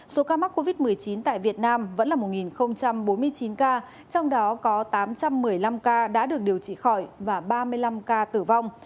số ca mắc covid một mươi chín tại việt nam vẫn là một bốn mươi chín ca trong đó có tám trăm một mươi năm ca đã được điều trị khỏi và ba mươi năm ca tử vong